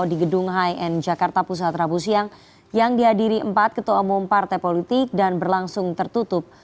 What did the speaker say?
di gedung high end jakarta pusat rabu siang yang dihadiri empat ketua umum partai politik dan berlangsung tertutup